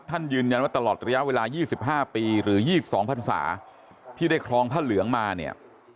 ยืนยันว่าตลอดระยะเวลา๒๕ปีหรือ๒๒พันศาที่ได้ครองผ้าเหลืองมาเนี่ย